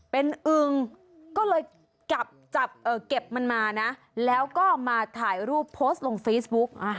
เป็นอึงก็เลยจับเก็บมันมานะแล้วก็มาถ่ายรูปโพสต์ลงเฟซบุ๊ก